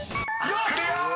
［クリア！